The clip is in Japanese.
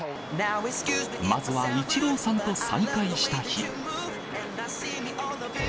まずはイチローさんと再会した日。